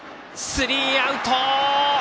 スリーアウト。